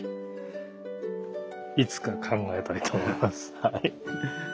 いつか考えたいと思います。